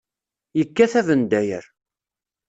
Yekka-t abendayer.